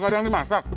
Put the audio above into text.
kalau yang dimasak